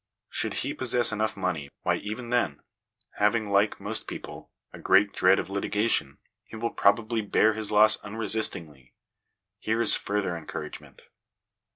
Should he possess enough money, why, even then, having, like most people, a great dread of litigation, he will probably bear his loss unresistingly : here is further encouragement.